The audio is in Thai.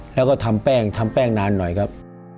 แล้วก็ทำแป้งทำแป้งนานหน่อยครับ